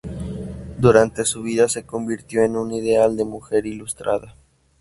Durante su vida se convirtió en un ideal de mujer ilustrada.